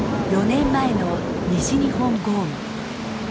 ４年前の西日本豪雨。